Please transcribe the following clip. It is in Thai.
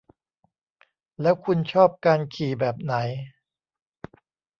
แล้วคุณชอบการขี่แบบไหน